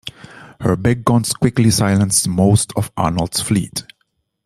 Her big guns quickly silenced most of Arnold's fleet.